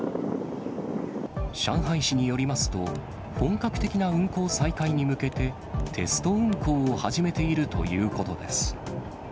上海市によりますと、本格的な運行再開に向けて、テスト運行を始めているということです。